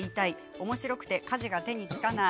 おもしろくて家事が手につかない。